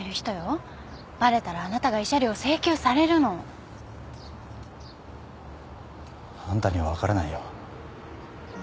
バレたらあなたが慰謝料請求されるの。あんたには分からないよ。